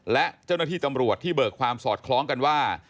และเจ้าหน้าที่ตำรวจที่เบิกความสอดคล้องกันว่า